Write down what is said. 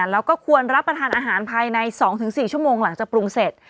แล้วก็ควรรับประทานอาหารภายใน๒๔ชั่วโมงหลังจากปรุงเสร็จ